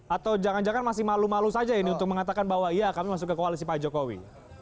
atau jangan jangan masih malu malu saja ini untuk mengatakan bahwa iya kami masuk ke koalisi pak jokowi